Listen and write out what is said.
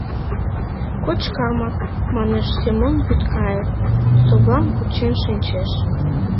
Кочкамак, — манеш Семон Вӱдкаев, совлам кучен шинчеш.